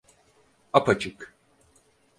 Apaçık.